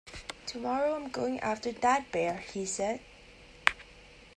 Tomorrow I'm going after that bear, he said.